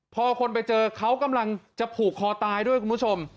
พอคนไปเจอเขากำลังจะผูกคอตายด้วยคุณผู้ชม